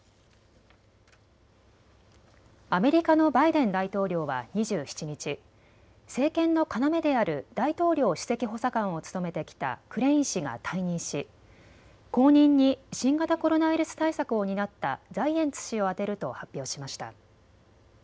アメリカのバイデン大統領は２７日、政権の要である大統領首席補佐官を務めてきたクレイン氏が退任し後任に新型コロナウイルス対策を担ったザイエンツ氏を充てると発表しました。